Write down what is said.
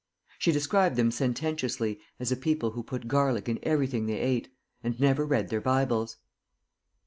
She described them sententiously as a people who put garlic in everything they ate, and never read their Bibles.